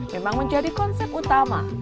memang menjadi konsep utama